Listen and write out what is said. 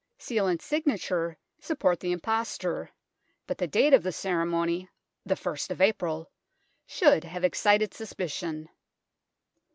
Seal and signature support 154 THE TOWER OF LONDON the imposture, but the date of the ceremony, the ist of April, should have excited suspicion.